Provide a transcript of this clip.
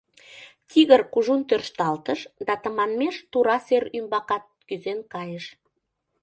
Тигр кужун тӧршталтыш да тыманмеш тура сер ӱмбакат кӱзен кайыш.